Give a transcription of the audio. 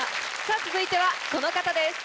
続いてはこの方です。